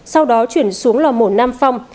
sau đó chuyển xuống lò mổ nam phong